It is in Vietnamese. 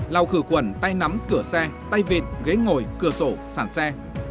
lau khử khuẩn tay nắm cửa xe tay vịt ghế ngồi cửa sổ sản xe